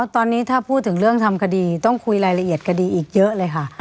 ตอนนี้ถ้าพูดถึงเรื่องทำคดีต้องคุยรายละเอียดคดีอีกเยอะเลยค่ะ